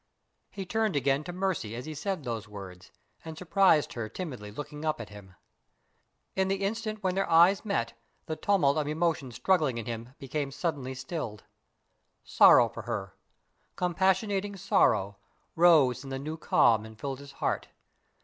He turned again to Mercy as he said those words, and surprised her timidly looking up at him. In the instant when their eyes met, the tumult of emotions struggling in him became suddenly stilled. Sorrow for her compassionating sorrow rose in the new calm and filled his heart.